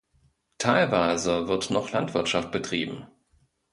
Teilweise wird noch Landwirtschaft betrieben.